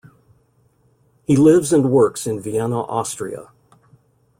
He lives and works in Vienna, Austria.